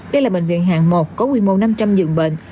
đây là bệnh viện hàng một có quy mô năm trăm linh dựng bệnh